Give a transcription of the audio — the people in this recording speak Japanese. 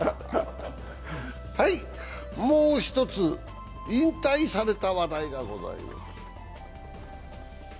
もう一つ、引退された話題がございます。